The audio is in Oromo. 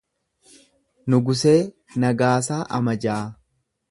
Nugusee Nagaasaa Amajaa